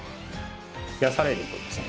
冷やされるとですね